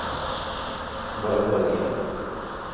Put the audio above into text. بڑبڑ یہ